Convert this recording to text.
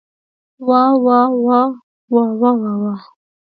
واه واه واه واوا واوا.